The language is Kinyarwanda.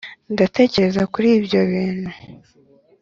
ndatekereza kuri ibyo bintu byose